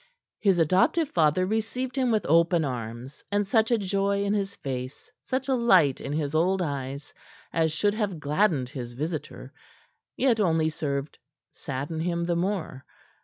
His adoptive father received him with open arms, and such a joy in his face, such a light in his old eyes as should have gladdened his visitor, yet only served sadden him the more.